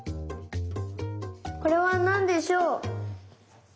これはなんでしょう？